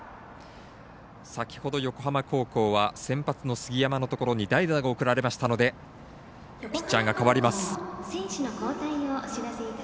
先ほど横浜高校は先発の杉山のところに代打が送られましたのでピッチャーが代わります。